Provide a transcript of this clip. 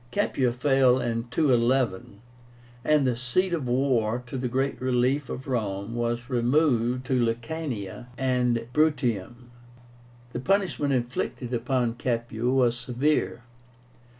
Capua fell in 211, and the seat of war, to the great relief of Rome, was removed to Lucania and Bruttium. The punishment inflicted upon Capua was severe.